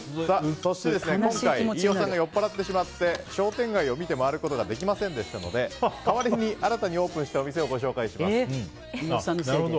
そして今回飯尾さんが酔ってしまい商店街を見て回ることができませんでしたので代わりに新たにオープンしたお店をご紹介します。